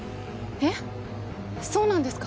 えっそうなんですか？